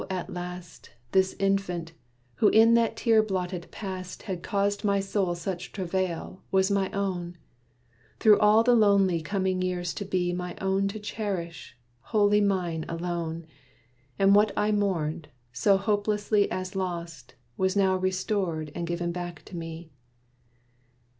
at last This infant, who, in that tear blotted past, Had caused my soul such travail, was my own: Through all the lonely coming years to be Mine own to cherish wholly mine alone. And what I mourned, so hopelessly as lost Was now restored, and given back to me.